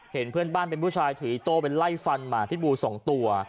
เห็นเพื่อนบ้านเป็นผู้ชายถือโต้เป็นไล่ฟันหมาพิษบู๒ตัว